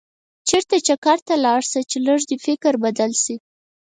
چېرته چکر ته لاړ شه چې لږ دې فکر بدل شي.